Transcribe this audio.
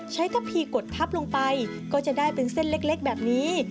กระพีกดทับลงไปก็จะได้เป็นเส้นเล็กแบบนี้